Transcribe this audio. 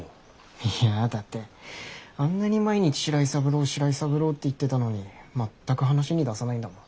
いやだってあんなに毎日白井三郎白井三郎って言ってたのに全く話に出さないんだもん。